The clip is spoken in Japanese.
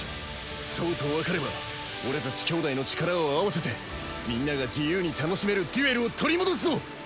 そうとわかれば俺たち兄弟の力を合わせてみんなが自由に楽しめるデュエルを取り戻すぞ！